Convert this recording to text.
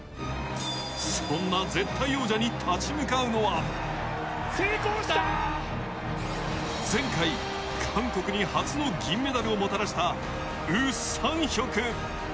そんな絶対王者に立ち向かうのは前回、韓国に初の銀メダルをもたらした、ウ・サンヒョク。